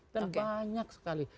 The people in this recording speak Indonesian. dan banyak sekali